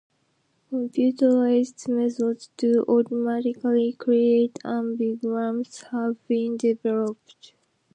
Computerized methods to automatically create ambigrams have been developed.